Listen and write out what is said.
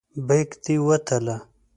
بیک دې وتله.